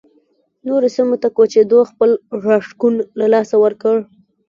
نورو سیمو ته کوچېدو خپل راښکون له لاسه ورکړ